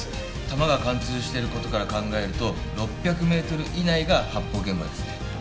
弾が貫通してる事から考えると６００メートル以内が発砲現場ですね。